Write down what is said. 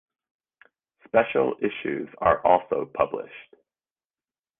Special issues are also published.